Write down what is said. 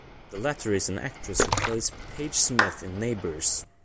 The latter is an actress who plays Paige Smith in "Neighbours".